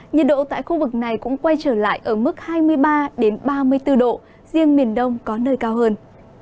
nhiệt độ tại khu vực này cũng quay trở lại ở mức hai mươi ba ba mươi bốn độ riêng miền đông có nơi cao hơn